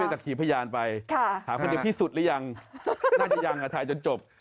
อ๋อหรอค่ะหาคนเดียวพี่สุดหรือยังน่าจะยังถ่ายจนจบ